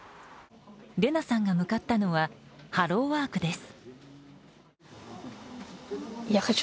レナさんが向かったのはハローワークです。